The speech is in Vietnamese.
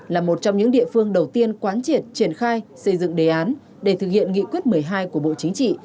là một trong những địa phương đầu tiên quán triệt triển khai xây dựng đề án để thực hiện nghị quyết một mươi hai của bộ chính trị